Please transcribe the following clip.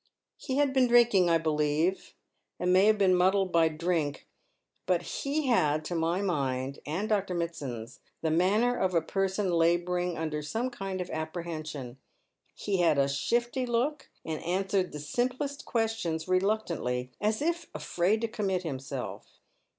He had been drinking, I believe, and may have been muddled by drink. But he had, to my mind, and Dr. Mitsand's, the manner of a person labouring under some kind of apprehension. He had a shifty look, and answered the simplest questions reluctantly, as if afraid to commit himself.